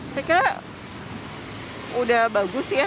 saya kira udah bagus ya